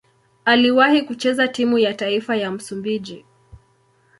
Aliwahi kucheza timu ya taifa ya Msumbiji.